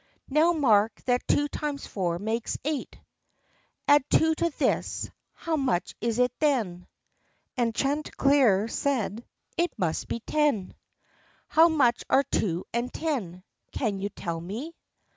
"Now mark that two times four makes eight: Add two to this, how much is it, then?" And Chanticleer said, "It must be ten." "How much are two and ten — can you tell me?"